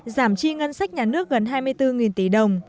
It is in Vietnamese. giảm chi ngân sách nhà nước gần hai mươi bốn tỷ đồng